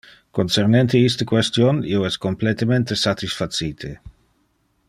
Concernente iste question, io es completemente satisfacite.